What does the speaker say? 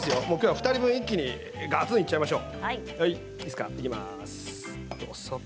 ２人分、一気にがつんといっちゃいましょう。